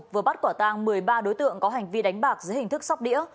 vừa bắt quả tang một mươi ba đối tượng có hành vi đánh bạc dưới hình thức sóc đĩa